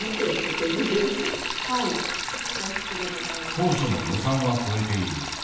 当初の予算は超えている。